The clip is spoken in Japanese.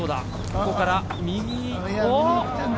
ここから右。